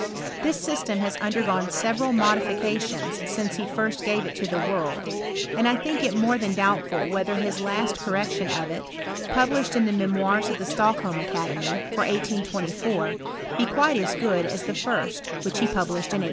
This system has undei^oae several modificationg since he first gave it to the world ; and 1 think it more than doubtful whether his last cor rection of it, publislied in the Memoirs of the Stock holm Academy, for 1824, be quite as good as the first, wbich he published in 1815.